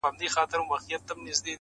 • درڅخه ځمه خوږو دوستانو -